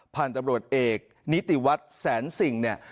ผ่านตำรวจเอกนิติวัตรแสนสิงห์เนี่ย